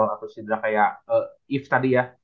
atau didera if tadi ya